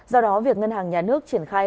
do đó việc ngân hàng nhà nước triển khai